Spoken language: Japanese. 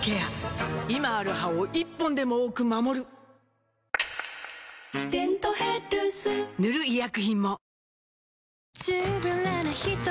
今ある歯を１本でも多く守る「デントヘルス」塗る医薬品も